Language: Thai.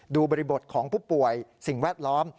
บริบทของผู้ป่วยสิ่งแวดล้อม